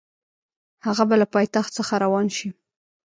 هغه به له پایتخت څخه روان شي.